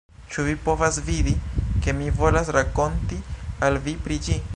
Ĉu vi povas vidi, ke mi volas rakonti al vi pri ĝi